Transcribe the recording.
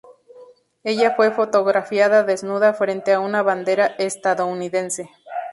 Ella fue fotografiada desnuda frente a una bandera estadounidense.